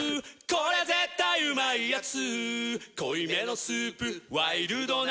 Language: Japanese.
これ絶対うまいやつ」